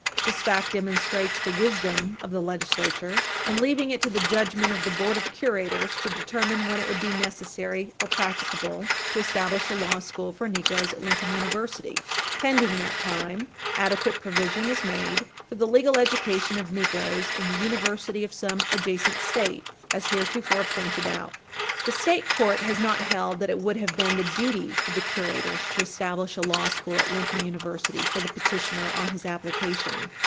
This fact demonstrates the wisdom of the legislature in leaving it to the judgment of the board of curators to determine when it would be necessary or practicable to establish a law school for negroes at Lincoln University. Pending that time, adequate provision is made for the legal education of negroes in the university of some adjacent State, as heretofore pointed out." 113 S.W.2d p. 791. The state court has not held that it would have been the duty of the curators to establish a law school at Lincoln University for the petitioner on his application.